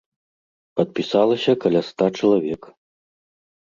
Падпісалася каля ста чалавек.